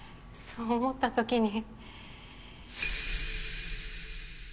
そう思ったときに。